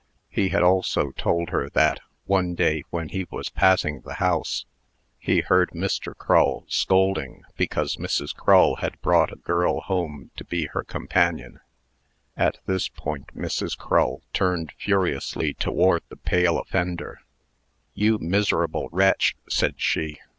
He had also told her that, one day, when he was passing the house, he heard Mr. Crull scolding because Mrs. Crull had brought a girl home to be her companion. At this point, Mrs. Crull turned furiously toward the pale offender. "You miserable wretch!" said she.